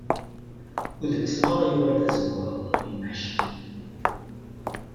Udem-is merra yuɣal d azewwaɣ mi yenneḥcam.